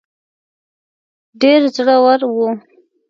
ډېر زړه ور وو.